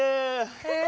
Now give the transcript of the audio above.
え。